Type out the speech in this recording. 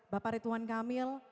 bapak rituan kamil